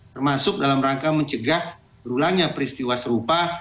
termasuk dalam rangka mencegah berulangnya peristiwa serupa